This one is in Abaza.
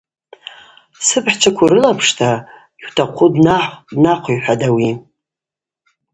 Сыпхӏчваква урылапшта йутахъу днахв, – йхӏватӏ ахӏ.